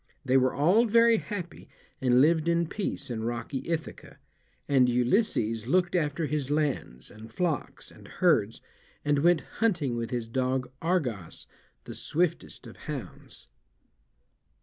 They were all very happy, and lived in peace in rocky Ithaca, and Ulysses looked after his lands, and flocks, and herds, and went hunting with his dog Argos, the swiftest of hounds.